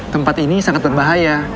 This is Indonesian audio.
tempat ini sangat berbahaya